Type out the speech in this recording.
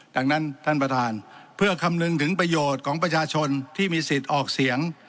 ดังนั้นท่านประธานเพื่อคำนึงถึงประโยชน์ของประชาชนที่มีสิทธิ์ออกเสียง